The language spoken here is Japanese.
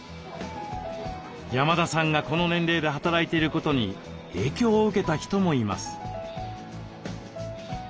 山田さんがこの年齢で働いていることに影響を受けた人もいます。